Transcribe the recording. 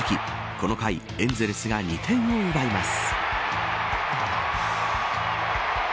この回、エンゼルスが２点を奪います。